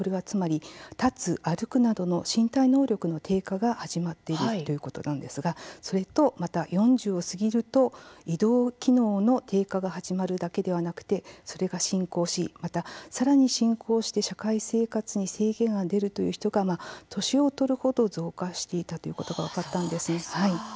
つまり立つ、歩くなどの身体能力の低下が始まっているということなんですがそれとまた４０を過ぎると移動機能の低下が始まるだけでなくそれが進行しまたさらに進行して社会生活に制限が出るという人が年を取るほど増加していたということが分かったんですね。